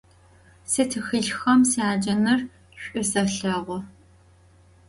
Se txılhxem syacenır ş'u selheğu.